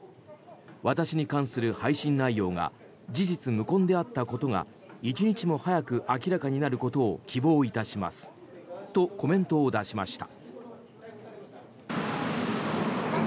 私に関する配信内容が事実無根であったことが一日も早く明らかになることを希望いたしますとコメントを出しました。